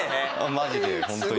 マジでホントに。